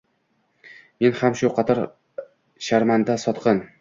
Men ham shu qator sharmanda, sotqin